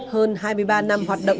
hơn hai mươi ba năm hoạt động